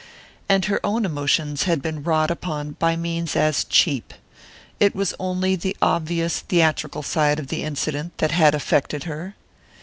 And her own emotions had been wrought upon by means as cheap: it was only the obvious, theatrical side of the incident that had affected her.